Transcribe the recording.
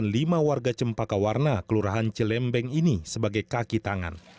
lima warga cempaka warna kelurahan celembeng ini sebagai kaki tangan